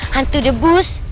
hantu de bus